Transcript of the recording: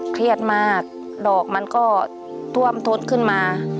เครียดมากดอกมันก็ท่วมท้นขึ้นมา